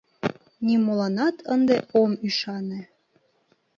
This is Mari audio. Нимоланат ынде ом ӱшане...